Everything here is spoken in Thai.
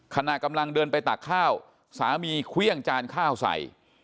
ขณะกำลังเดินไปตักข้าวสามีเครื่องจานข้าวใส่